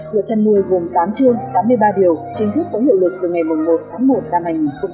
luật chăn nuôi gồm tám chương tám mươi ba điều chính thức có hiệu lực từ ngày một tháng một năm hai nghìn hai mươi